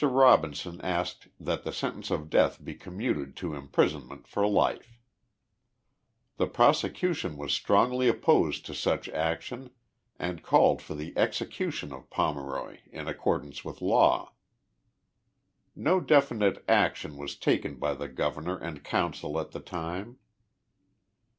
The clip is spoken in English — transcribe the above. Robinson asked that the sentence of death be commuted to imprisonment for life. Go THE LIFE OF JESSE IIARDIXG POMEROY. The prosecution was strongly opposed to such action and called for the execution of Pomeroy in accordance with law. Xo definite action was taken by the Governor and Council at the time.